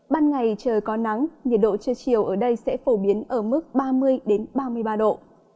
ban ngày trời có nắng nhiệt độ trưa chiều ở đây sẽ phổ biến ở mức ba mươi ba mươi ba độ